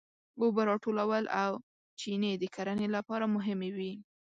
اوبه راټولول او چینې د کرنې لپاره مهمې وې.